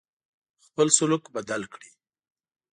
خپل سلوک بدل کړی.